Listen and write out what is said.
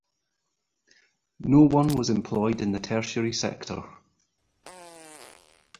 No one was employed in the tertiary sector.